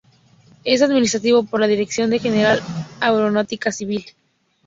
Es administrado por la Dirección de General de Aeronáutica Civil.